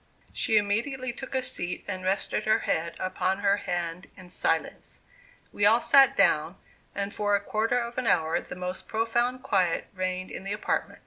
She immediately took a seat, and rested her head upon her hand in silence. We all sat down, and for a quarter of an hour the most profound quiet reigned in the apartment.